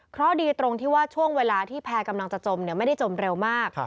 เพราะดีตรงที่ว่าช่วงเวลาที่แพร่กำลังจะจมไม่ได้จมเร็วมาก